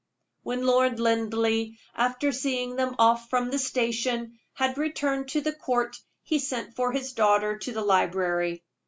When Lord Linleigh, after seeing them off from the station, had returned to the Court, he sent for his daughter to the library.